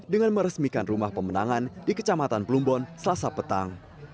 dengan meresmikan rumah pemenangan di kecamatan plumbon selasa petang